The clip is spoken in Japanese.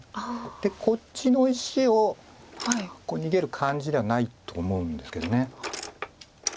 こっちの石を逃げる感じではないと思うんですけど。